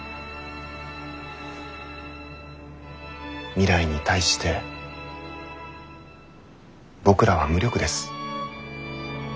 未来に対して僕らは無力です。